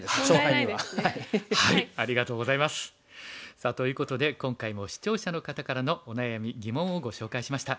さあということで今回も視聴者の方からのお悩み疑問をご紹介しました。